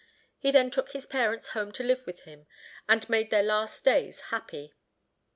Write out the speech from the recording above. He then took his parents home to live with him, and made their last days happy.